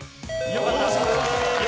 よかった。